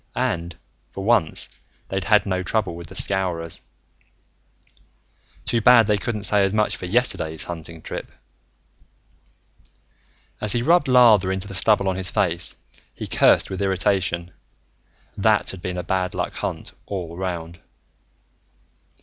And, for once, they'd had no trouble with the Scowrers. Too bad they couldn't say as much for yesterday's hunting trip! As he rubbed lather into the stubble on his face, he cursed with irritation. That had been a bad luck hunt, all around.